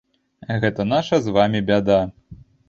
Гэта наша з вамі бяда.